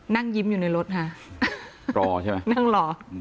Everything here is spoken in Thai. นั่งยิ้มอยู่ในรถฮะนั่งหล่อ